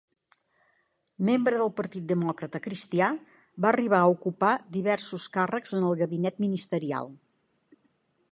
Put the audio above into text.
Membre del partit demòcrata cristià, va arribar a ocupar diversos càrrecs en el gabinet ministerial.